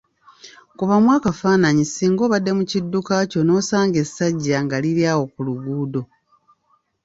Kubamu akafaananyi singa obadde mu kidduka kyo nosanga essajja nga liri awo ku luguudo.